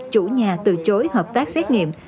chủ nhà từ chối hợp tác xét nghiệm